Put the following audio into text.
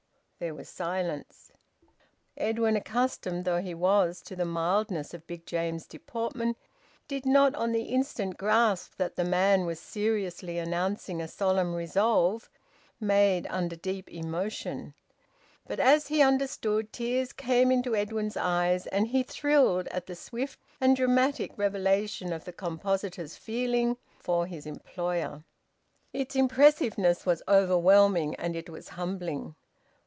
There was silence. Edwin, accustomed though he was to the mildness of Big James's deportment, did not on the instant grasp that the man was seriously announcing a solemn resolve made under deep emotion. But as he understood, tears came into Edwin's eyes, and he thrilled at the swift and dramatic revelation of the compositor's feeling for his employer. Its impressiveness was overwhelming and it was humbling.